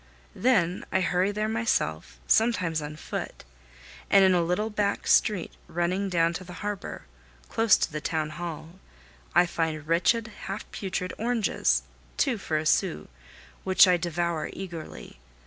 Then I hurry there myself, sometimes on foot, and in a little back street, running down to the harbor, close to the Town Hall, I find wretched, half putrid oranges, two for a sou, which I devour eagerly.